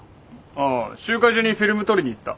あ集会所にフィルム取りに行った。